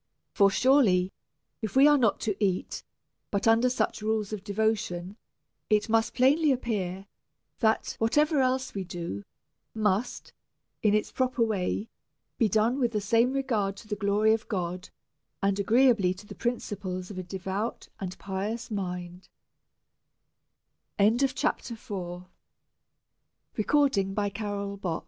For surely, if we are not to eat but under such rules of devotion, it must plainly appear, that whatever else we do must, in its proper way, be done with the same regard to the glory of God, and agreeably to the principles of a devout and pious mind. CHAPTER V. Persons